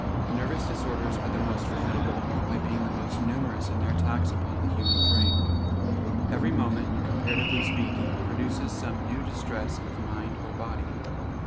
Nervous disorders are the most formidable, by being the most numerous in their attacks upon the human frame. Every moment, comparatively speaking, produces some new distress of mind or body.